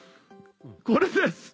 これです。